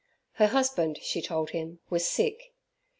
Her husband, she told him, was sick.